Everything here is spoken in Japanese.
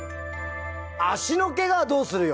足の怪我はどうするよ？